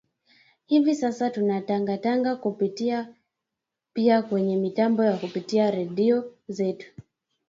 hivi sasa tunatangaza kupitia pia kwenye mitambo ya kupitia redio zetu